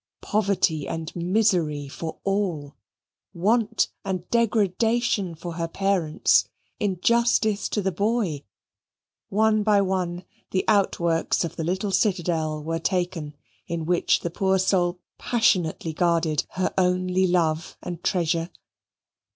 Poverty and misery for all, want and degradation for her parents, injustice to the boy one by one the outworks of the little citadel were taken, in which the poor soul passionately guarded her only love and treasure.